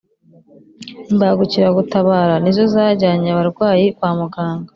Imbagukira gutabara nizo zajyanye abarwayi kwamuganga